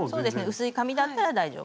薄い紙だったら大丈夫。